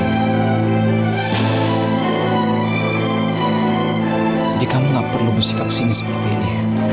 jadi kamu gak perlu bersikap singa seperti ini